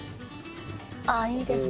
あいいですね。